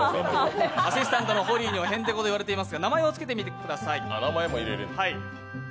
アシスタントには、へんてこだと言われていますが名前をつけてみてください。